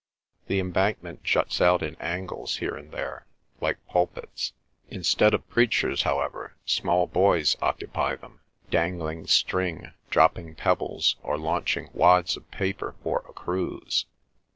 The embankment juts out in angles here and there, like pulpits; instead of preachers, however, small boys occupy them, dangling string, dropping pebbles, or launching wads of paper for a cruise.